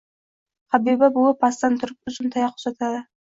Habiba buvi pastdan turib uzun tayoq uzatadi.